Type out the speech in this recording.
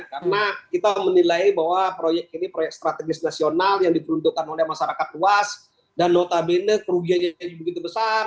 karena kita menilai bahwa proyek ini proyek strategis nasional yang diperuntukkan oleh masyarakat luas dan notabene kerugiannya juga begitu besar